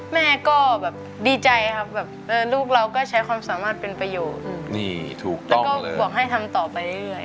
แม่ก็แบบดีใจครับแบบลูกเราก็ใช้ความสามารถเป็นประโยชน์แล้วก็บอกให้ทำต่อไปเรื่อย